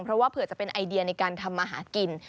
เพราะว่าเผื่อจะเป็นไอเดียในการทำมาหากิน